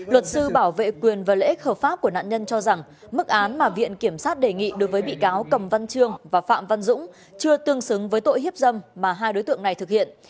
luật sư bảo vệ quyền và lợi ích hợp pháp của nạn nhân cho rằng mức án mà viện kiểm sát đề nghị đối với bị cáo cầm văn trương và phạm văn dũng chưa tương xứng với tội hiếp dâm mà hai đối tượng này thực hiện